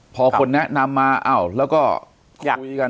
พอคนแนะนำมาแล้วก็คุยกัน